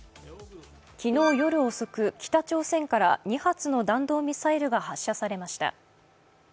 昨日夜遅く北朝鮮から２発の弾道ミサイルが発射されました。